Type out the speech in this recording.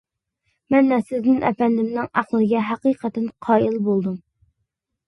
مەن نەسرىدىن ئەپەندىمنىڭ ئەقلىگە ھەقىقەتەن قايىل بولدۇم.